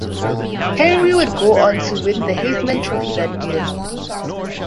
Henry would go on to win the Heisman Trophy that year.